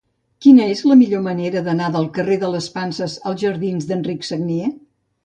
Quina és la millor manera d'anar del carrer de les Panses als jardins d'Enric Sagnier?